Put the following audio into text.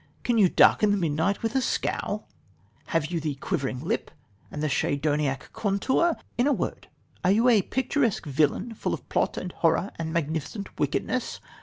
Can you darken the midnight with a scowl? Have you the quivering lip and the Schedoniac contour? In a word, are you a picturesque villain full of plot and horror and magnificent wickedness?